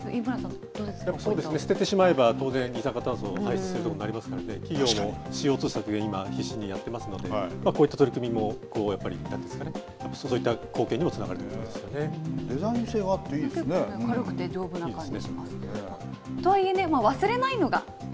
そうですね、捨ててしまえば、当然、二酸化炭素を排出することになりますので、企業もＣＯ２削減、今、必死にやってますので、こういった取り組みも、やっぱり、なんていうんですかね、やっぱりそういった貢献にもつながるといデザイン性があっていいです軽くて丈夫な感じで。